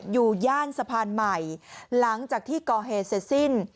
ย่านสะพานใหม่หลังจากที่ก่อเหตุเสร็จสิ้น